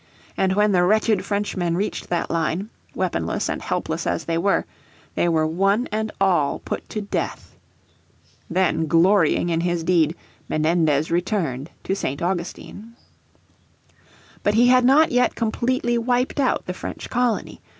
And when the wretched Frenchmen reached that line, weaponless and helpless as they were, they were one and all put to death. Then, glorying in his deed, Menendez returned to St. Augustine. But he had not yet completely wiped out the French colony.